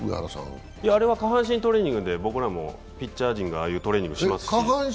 下半身トレーニングで僕らもピッチャー陣がああいうトレーニングしますし。